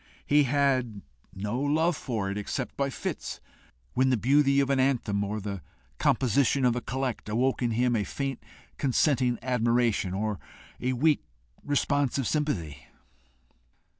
He had no love for it except by fits, when the beauty of an anthem, or the composition of a collect, awoke in him a faint consenting admiration, or a weak, responsive sympathy.